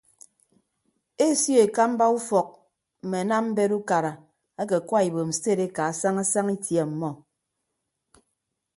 Esio ekamba ufọk mme anam mbet ukara ake akwa ibom sted ekaa saña saña itie ọmọ.